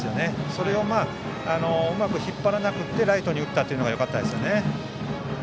それをうまく引っ張らなくてライトに打ったのがよかったですね。